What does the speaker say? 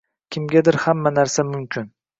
kimgadir hamma narsa mumkin